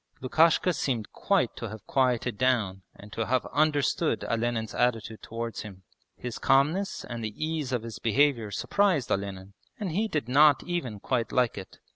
Lukashka seemed quite to have quieted down and to have understood Olenin's attitude towards him. His calmness and the ease of his behaviour surprised Olenin, and he did not even quite like it.